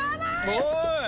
おい！